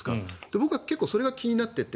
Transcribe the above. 僕は結構それが気になってて。